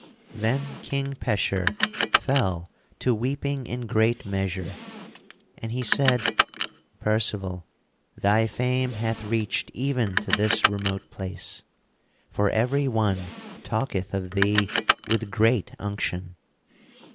Then King Pecheur fell to weeping in great measure and he said: "Percival thy fame hath reached even to this remote place, for every one talketh of thee with great unction.